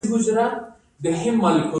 صنعت د ژوند بدلون دی.